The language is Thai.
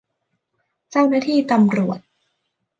เจ้าหน้าที่ตำรวจ